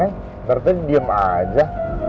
neng ternyata dia diem aja